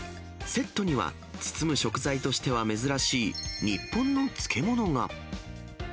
セットには包む食材としては珍しい、日本の漬物が。